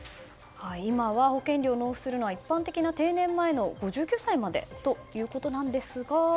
今は保険料を納付するのは一般的な定年前の５９歳までということなんですが。